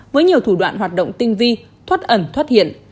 với nhiều thủ đoạn hoạt động tinh vi thoát ẩn thoát hiện